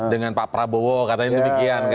dengan pak prabowo katanya demikian